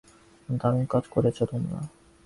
দারুন কাজ করেছো তোমরা।